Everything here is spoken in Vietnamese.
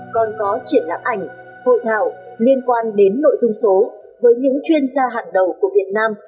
còn có triển lãm ảnh hội thảo liên quan đến nội dung số với những chuyên gia hàng đầu của việt nam